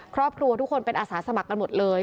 ครอบครัวทุกคนเป็นอาสาสมัครกันหมดเลย